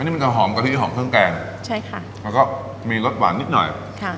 นี่มันจะหอมกะทิหอมเครื่องแกงใช่ค่ะแล้วก็มีรสหวานนิดหน่อยค่ะ